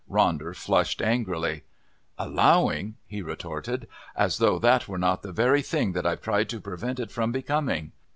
Ronder flushed angrily. "Allowing!" he retorted. "As though that were not the very thing that I've tried to prevent it from becoming.